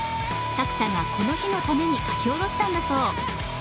作者がこの日のために描き下ろしたんだそう。